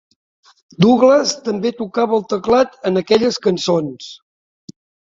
Douglas també tocava el teclat en aquelles cançons.